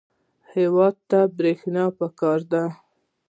هېواد ته برېښنا پکار ده